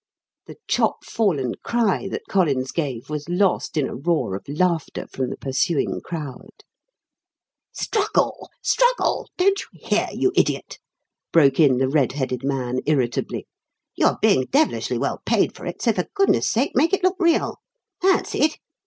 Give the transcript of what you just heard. The chop fallen cry that Collins gave was lost in a roar of laughter from the pursuing crowd. "Struggle struggle! Don't you hear, you idiot?" broke in the red headed man irritably. "You are being devilishly well paid for it, so for goodness' sake make it look real. That's it!